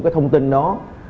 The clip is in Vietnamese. cái thông tin đó